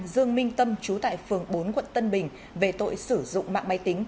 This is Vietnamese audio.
dương minh tâm trú tại phường bốn quận tân bình về tội sử dụng mạng máy tính